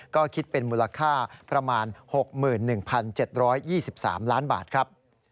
ก็คิดเป็นมูลค่าประมาณ๖๑๗๒๓ล้านบาทครับ